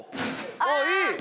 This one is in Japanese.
あっいい！